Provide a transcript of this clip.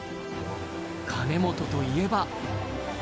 金本といえば。